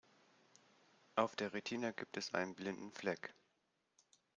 Auf der Retina gibt es einen blinden Fleck.